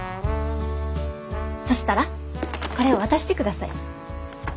そしたらこれを渡してください。